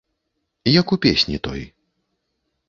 Як у песні той.